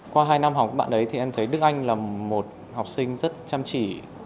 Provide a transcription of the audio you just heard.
qua hai năm học của bạn ấy thì em thấy đức anh là một học sinh rất chăm chỉ